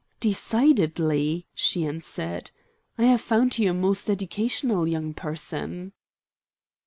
"Decidedly," she answered. "I have found you a most educational young person."